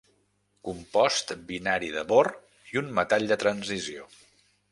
Compost binari de bor i un metall de transició.